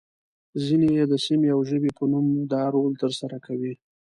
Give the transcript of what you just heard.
ځینې يې د سیمې او ژبې په نوم دا رول ترسره کوي.